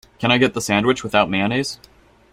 Can I get the sandwich without mayonnaise?